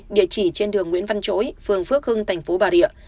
địa chỉ trên đường nguyễn văn chỗi phường phước hưng thành phố bà rịa